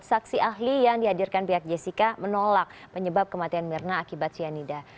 saksi ahli yang dihadirkan pihak jessica menolak penyebab kematian mirna akibat cyanida